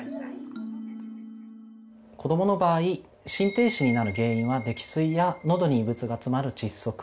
子どもの場合心停止になる原因は溺水やのどに異物が詰まる窒息